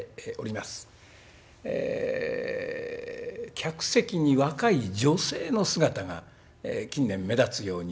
客席に若い女性の姿が近年目立つようになりました。